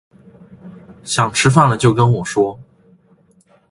想吃饭了就跟我说